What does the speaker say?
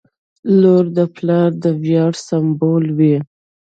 • لور د پلار د ویاړ سمبول وي.